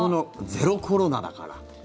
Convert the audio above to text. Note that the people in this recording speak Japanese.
ゼロコロナだから。